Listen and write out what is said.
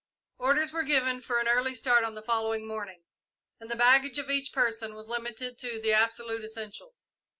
Orders were given for an early start on the following morning, and the baggage of each person was limited to the absolute essentials.